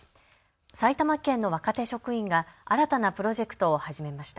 埼玉県の若手職員が新たなプロジェクトを始めました。